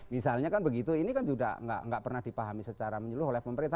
misalnya kan begitu ini kan juga nggak pernah dipahami secara menyeluruh oleh pemerintah